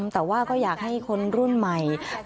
แต่ว่าก็อยากให้คนรุ่นใหม่